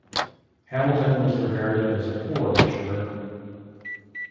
Hamilton was regarded as a poor lecturer.